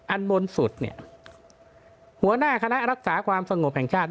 อันบนสุดเนี่ยหัวหน้าคณะรักษาความสงบแห่งชาติ